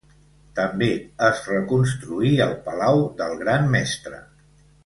També es reconstruí el Palau del Gran Mestre.